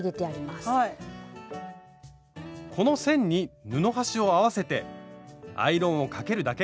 この線に布端を合わせてアイロンをかけるだけ。